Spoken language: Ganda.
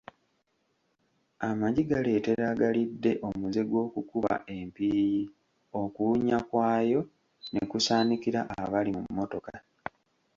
Amagi galeetera agalidde omuze gw’okukuba empiiyi, okuwunya kwayo ne kusaanikira abali mu mmotoka.